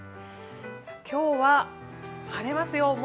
今日は晴れますよ。